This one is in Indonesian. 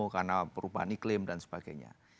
karena perubahan iklim dan sebagainya